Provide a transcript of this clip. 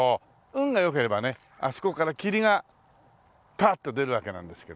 運が良ければねあそこから霧がパッと出るわけなんですけど。